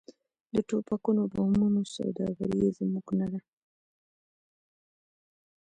د ټوپکونو او بمونو سوداګري یې زموږ نه ده.